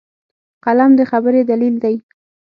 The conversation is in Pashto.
قلم د خبرې دلیل دی